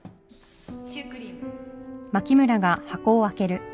シュークリーム